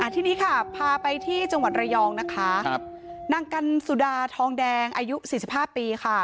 ทีนี้ค่ะพาไปที่จังหวัดระยองนะคะนางกันสุดาทองแดงอายุ๔๕ปีค่ะ